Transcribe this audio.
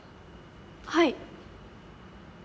はい。